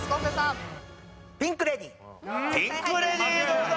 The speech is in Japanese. ピンク・レディーどうだ？